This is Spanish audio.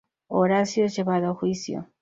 Horacio es llevado a juicio.